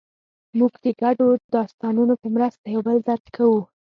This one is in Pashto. موږ د ګډو داستانونو په مرسته یو بل درک کوو.